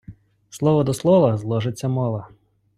Слово до слова – зложиться мова.